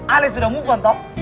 ale sudah mukun toh